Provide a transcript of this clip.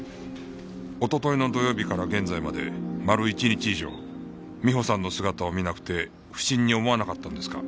おとといの土曜日から現在まで丸一日以上美帆さんの姿を見なくて不審に思わなかったんですか？